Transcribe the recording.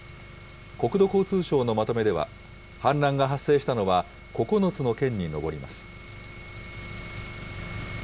国土交通省のまとめでは、氾濫が発生したのは、９つの県に上ります。